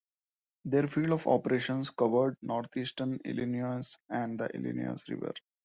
Their field of operations covered northeastern Illinois and the Illinois River.